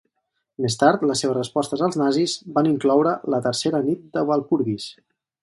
Més tard, les seves respostes als nazis van incloure 'La tercera nit de Walpurgis'.